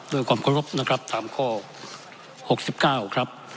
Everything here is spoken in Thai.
ด้วยความควรบนะครับตามข้อหกสิบเก้าครับ